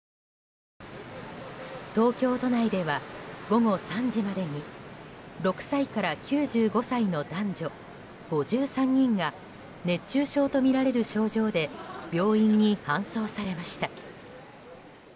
東京都内では午後３時までに６歳から９５歳の男女５３人が熱中症とみられる症状で病院に搬送されました。